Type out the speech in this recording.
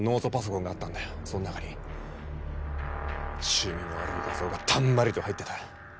その中に趣味の悪い画像がたんまりと入ってた。